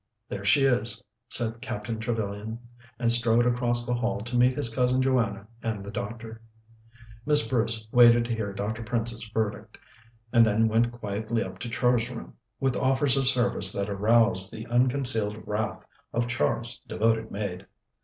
"There she is," said Captain Trevellyan, and strode across the hall to meet his Cousin Joanna and the doctor. Miss Bruce waited to hear Dr. Prince's verdict, and then went quietly up to Char's room, with offers of service that aroused the unconcealed wrath of Char's devoted maid.